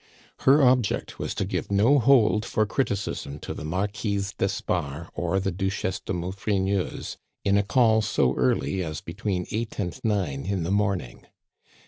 Her object was to give no hold for criticism to the Marquise d'Espard or the Duchesse de Maufrigneuse, in a call so early as between eight and nine in the morning.